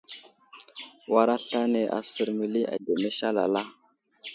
War aslane asər məli ademes alala.